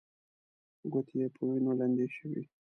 ګوتې يې په وينو لندې شوې.